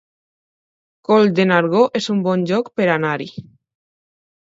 Coll de Nargó es un bon lloc per anar-hi